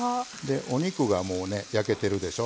お肉がもうね焼けてるでしょ。